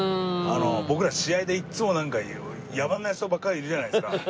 僕ら試合でいつもなんか野蛮な人ばっかりいるじゃないですか。